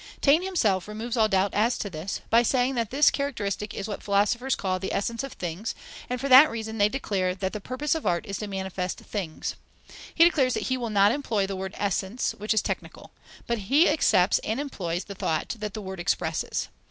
Taine himself removes all doubt as to this, by saying that this characteristic is what philosophers call the essence of things, and for that reason they declare that the purpose of art is to manifest things. He declares that he will not employ the word essence, which is technical. But he accepts and employs the thought that the word expresses.